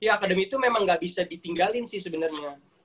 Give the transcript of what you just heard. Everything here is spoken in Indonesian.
iya akademi itu memang gak bisa ditinggalin sih sebenernya